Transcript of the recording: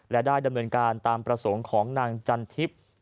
และได้ดำเนินการตามประสงค์ของนางจันทิพย์